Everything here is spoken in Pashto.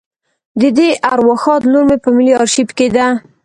د دې ارواښاد لور په ملي آرشیف کې ده.